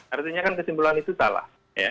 artinya kan kesimpulan itu salah